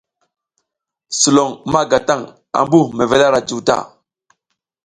Sulon ma ga taƞ ambu mevel ara juw ta.